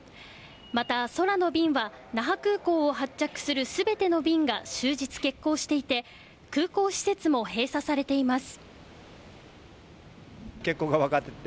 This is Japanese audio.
また、空の便は那覇空港を発着する全ての便が終日欠航していて空港施設も閉鎖されています。